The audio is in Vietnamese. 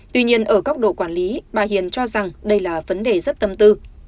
tuy nhiên ở góc độ quản lý bà hiền cho rằng đây là vấn đề rất tâm tư